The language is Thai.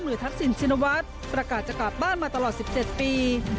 ทักษิณชินวัฒน์ประกาศจะกลับบ้านมาตลอด๑๗ปี